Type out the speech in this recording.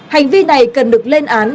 hành vi này cần được lên án